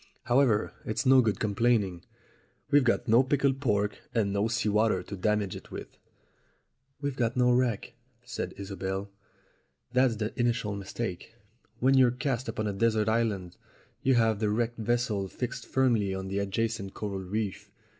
However, it's no good complaining. We've got no pickled pork and no sea water to damage it with." "We've got no wreck," said Isobel, "that's the initial mistake. When you're cast upon a desert island you have the wrecked vessel fixed firmly on the adjacent coral reef.